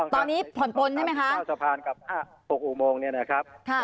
ตอนนี้ผ่อนปนใช่ไหมคะ